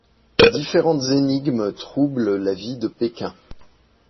Différentes énigmes troublent la vie de Pékin.